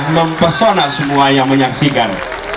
mempesona semua yang menyaksikan